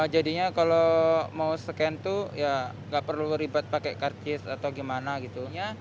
jadinya kalau mau scan tuh ya nggak perlu ribet pakai karcis atau gimana gitu